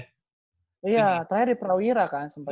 iya terakhir di prawira kan